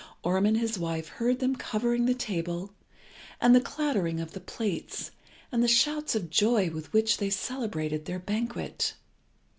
Orm and his wife heard them covering the table, and the clattering of the plates, and the shouts of joy with which they celebrated their banquet.